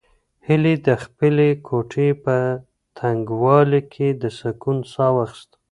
هیلې د خپلې کوټې په تنګوالي کې د سکون ساه واخیسته.